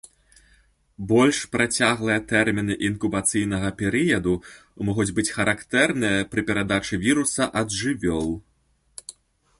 Больш працяглыя тэрміны інкубацыйнага перыяду могуць быць характэрныя пры перадачы віруса ад жывёл.